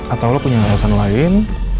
atau lo punya alasan lain